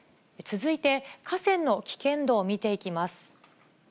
続いて、河川の危険度を見ていきます。